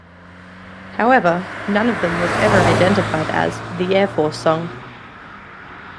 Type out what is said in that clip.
However, none of them was ever identified as "the Air Force song".